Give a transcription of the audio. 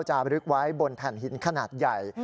ลึกไว้บนแผ่นหินขนาดใหญ่